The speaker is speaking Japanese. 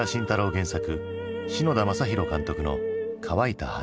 原作篠田正浩監督の「乾いた花」。